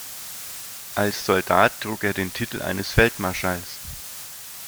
Als Soldat trug er den Titel eines Feldmarschalls.